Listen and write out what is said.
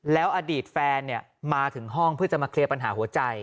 แล้วอดีตแฟนมาถึงห้องเพื่อจะมาเคลียร์ปัญหาหัวใจ